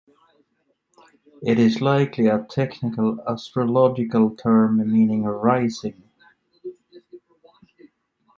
It is likely a technical astrological term meaning rising.